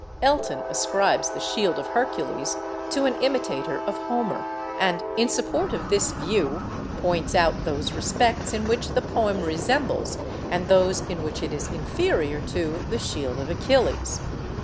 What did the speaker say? Elton ascribes the 'Shield of Hercules' to an imitator of Homer, and in support of this view points out those respects in which the poem resembles, and those in which it is inferior to, the 'Shield of Achilles.